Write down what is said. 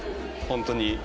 本当に。